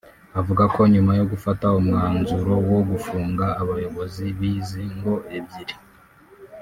Avuga ko nyuma yo gufata umwanzuro wo gufunga abayobozi b’izi ngo ebyiri